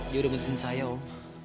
dia udah mesin saya om